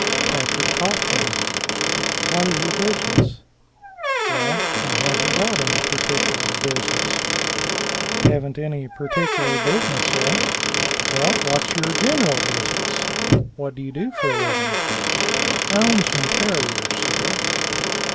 Patrick Coughlin. "What is your business?" "Well I haven't got any particular business." "Haven't any particular business, eh? Well, what's your general business? What do you do for a living?" "I own some terriers, sir."